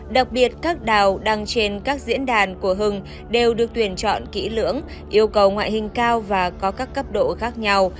đặc biệt các đào đăng trên các diễn đàn của hưng đều được tuyển chọn kỹ lưỡng yêu cầu ngoại hình cao và có các cấp độ khác nhau